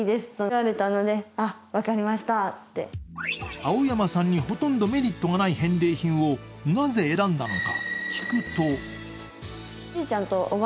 青山さんにほとんどメリットがない返礼品をなぜ選んだのか。